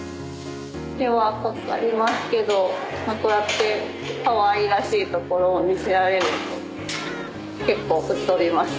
手はかかりますけどこうやってかわいらしいところを見せられると結構吹っ飛びます。